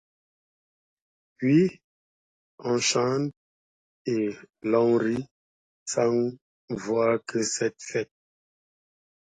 Puis on chante et l'on rit, sans voir que Cette fête